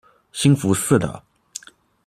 兴福寺的。